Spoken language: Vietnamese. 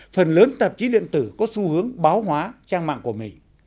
phần lớn tạp chí điện tử có xu hướng báo hóa trang mạng của mình